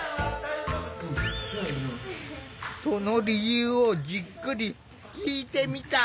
その理由をじっくり聞いてみた。